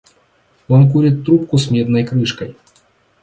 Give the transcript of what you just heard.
Он курит трубку с медной крышкой.